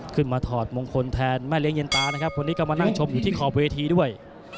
ถอดมงคลแทนแม่เลี้ยเย็นตานะครับคนนี้ก็มานั่งชมอยู่ที่ขอบเวทีด้วย